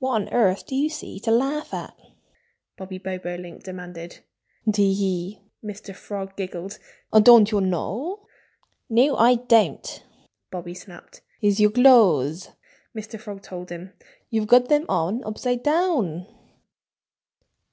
"What on earth do you see to laugh at?" Bobby Bobolink demanded. "Tee hee!" Mr. Frog giggled. "Don't you know?" "No, I don't!" Bobby snapped. "It's your clothes!" Mr. Frog told him. "You've got them on upside down!"